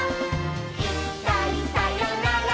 「いっかいさよなら